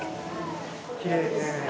きれいね。